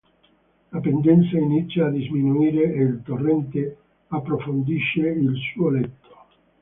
La pendenza inizia a diminuire e il torrente approfondisce il suo letto.